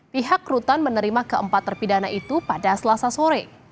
pihak rutan menerima keempat terpidana itu pada selasa sore